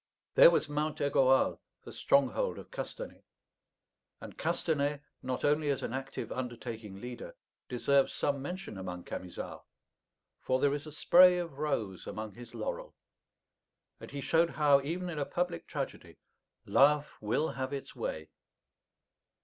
There was Mount Aigoal, the stronghold of Castanet. And Castanet, not only as an active undertaking leader, deserves some mention among Camisards; for there is a spray of rose among his laurel; and he showed how, even in a public tragedy, love will have its way.